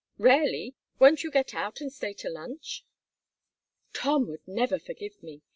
"Rarely. Won't you get out and stay to lunch?" "Tom would never forgive me.